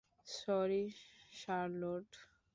Sorry, Charlotte.